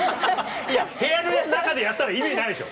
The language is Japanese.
いや部屋の中でやったら意味ないでしょ。